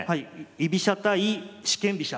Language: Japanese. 居飛車対四間飛車。